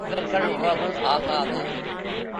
இவர்கள் உறவு ஆகாது.